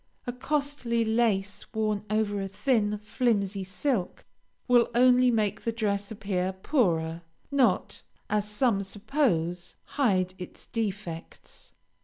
A costly lace worn over a thin, flimsy silk, will only make the dress appear poorer, not, as some suppose, hide its defects.